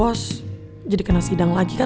ah berkandung saja ya